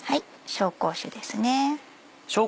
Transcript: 紹興酒ですね。